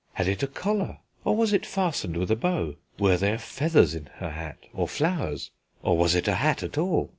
Had it a collar, or was it fastened with a bow? Were there feathers in her hat, or flowers? Or was it a hat at all?